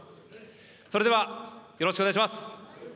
それでは、よろしくお願いします。